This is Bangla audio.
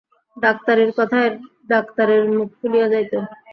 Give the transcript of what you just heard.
ডাক্তারির কথায় ডাক্তারের মুখ খুলিয়া যাইত।